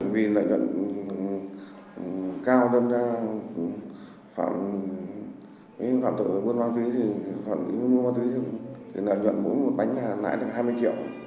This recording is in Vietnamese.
vì lợi nhuận cao đâm ra phản thử mua ma túy lợi nhuận mua ma túy lợi nhuận mua bánh là hai mươi triệu